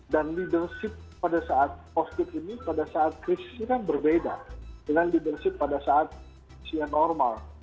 dan leadership pada saat covid sembilan belas ini pada saat krisis itu kan berbeda dengan leadership pada saat normal